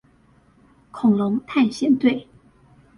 恐龍探險隊